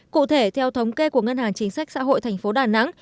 cụ thể theo thống kê của ngân hàng chính sách xã hội thành phố đà nẵng